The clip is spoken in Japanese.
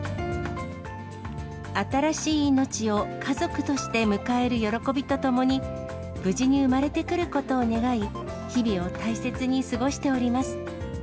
新しい命を家族として迎える喜びとともに、無事に生まれてくることを願い、日々を大切に過ごしております。